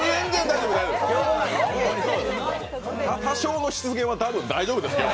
多少の失言はたぶん大丈夫です、今日。